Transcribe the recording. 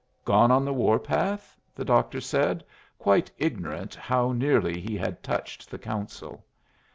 "Gone on the war path?" the doctor said, quite ignorant how nearly he had touched the Council.